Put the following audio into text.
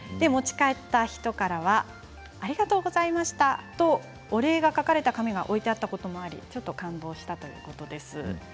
持ち帰った人からはありがとうございましたとお礼が書かれた紙が置いてあったこともありちょっと感動したということです。